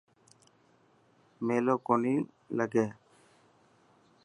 ميلو ڪونهي لگي.